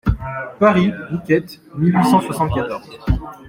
Paris, Rouquette, mille huit cent soixante-quatorze.